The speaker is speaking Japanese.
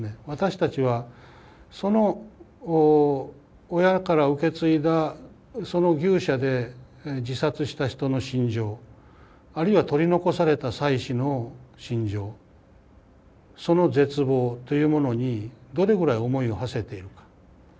私たちは親から受け継いだその牛舎で自殺した人の心情あるいは取り残された妻子の心情その絶望というものにどれぐらい思いをはせているか。